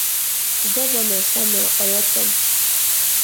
Gọvanọ Samuel Ortom